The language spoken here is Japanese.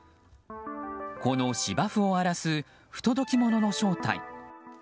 この芝生を荒らす不届きものの正体